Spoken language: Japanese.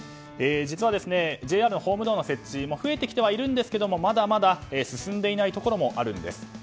実は、ＪＲのホームドアの設置増えてきてはいるんですがまだまだ進んでいないところもあるんです。